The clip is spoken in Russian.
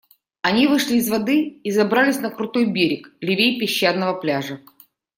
Они вышли из воды и забрались на крутой берег, левей песчаного пляжа.